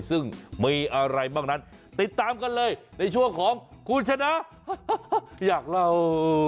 ซึ่งมีอะไรบ้างนั้นติดตามกันเลยในช่วงของคุณชนะอยากเล่า